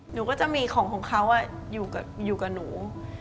หนูก็จะมีของของเขาอยู่กับหนู